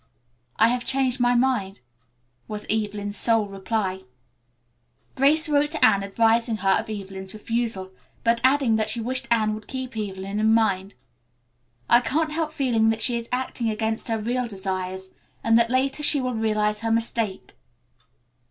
"I have changed my mind," was Evelyn's sole reply. Grace wrote to Anne advising her of Evelyn's refusal, but adding that she wished Anne would keep Evelyn in mind. "I can't help feeling that she is acting against her real desires and that later she will realize her mistake."